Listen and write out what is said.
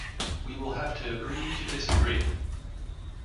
We will have to agree to disagree